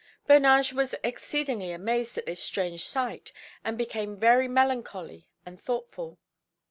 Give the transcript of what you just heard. Bernage was exceedingly amazed at this strange sight, and became very melancholy and thoughtful.